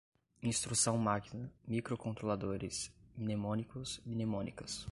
instrução-máquina, microcontroladores, mnemônicos, mnemônicas